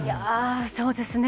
そうですね。